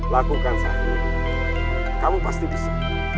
lakukan saya kamu pasti bisa